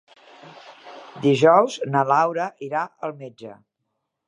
Dijous na Laura irà al metge.